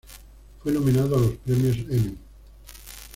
Fue nominado a los premios Emmy.